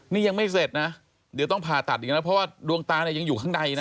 นี่ยังไม่เสร็จนะเดี๋ยวต้องผ่าตัดอีกนะเพราะว่าดวงตาเนี่ยยังอยู่ข้างในนะ